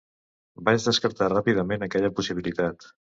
Vaig descartar ràpidament aquella possibilitat.